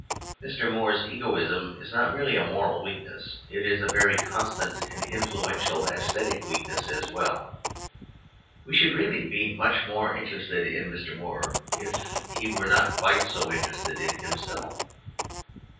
Mr. Moore's egoism is not merely a moral weakness, it is a very constant and influential aesthetic weakness as well. We should really be much more interested in Mr. Moore if he were not quite so interested in himself.